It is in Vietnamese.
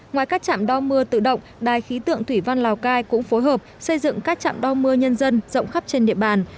ngoài các trạm đo mưa tự động đài khí tượng thủy văn lào cai cũng phối hợp xây dựng các trạm đo mưa nhân dân rộng khắp trên địa bàn